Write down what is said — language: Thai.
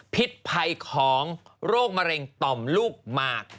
พิษภัยของโรคมะเร็งต่อมลูกหมาก